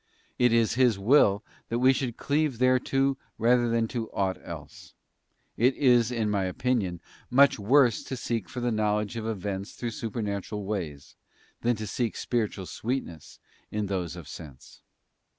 It is His will that we should cleave thereto rather than to aught else. It is, in my opinion, much worse to seek for the know ledge of events through supernatural ways, than to seek spiritual sweetness in those of sense.